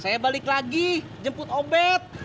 saya balik lagi jemput obet